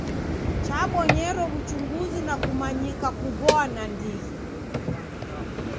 Chabonyero w'uchunguzi na kumanyika kuboa nandighi.